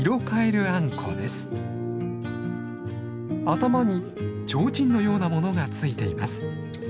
頭にちょうちんのようなものが付いています。